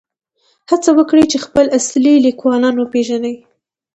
هڅه وکړئ چې خپل اصلي لیکوالان وپېژنئ.